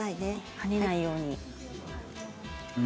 跳ねないように。